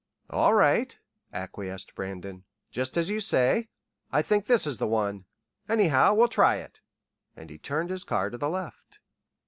"All right," acquiesced Brandon. "Just as you say. I think this is the one. Anyhow, we'll try it." And he turned his car to the left.